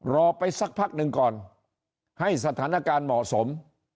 รอไปสักพักหนึ่งก่อนให้สถานการณ์เหมาะสม